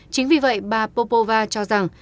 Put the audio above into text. chính vì vậy bà popova cho rằng